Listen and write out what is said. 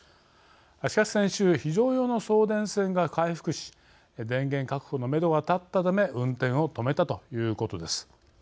しかし先週非常用の送電線が回復し電源確保の、めどが立ったため運転を止めたということです。